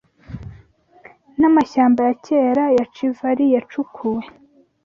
N'amashyamba ya kera ya chivali yacukuwe